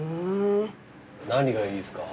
何がいいですか？